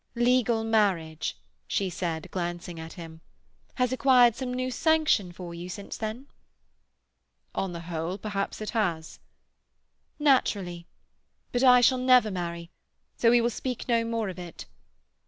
"Legal marriage," she said, glancing at him, "has acquired some new sanction for you since then?" "On the whole, perhaps it has." "Naturally. But I shall never marry, so we will speak no more of it."